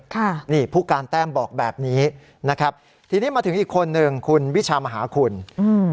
ค่ะนี่ผู้การแต้มบอกแบบนี้นะครับทีนี้มาถึงอีกคนหนึ่งคุณวิชามหาคุณอืม